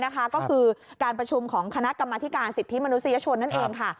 ก็คือการประชุมของคณะกรรมธิการสิทธิมนุษยชนนั่นเองค่ะ